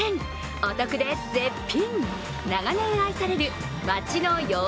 お得で絶品！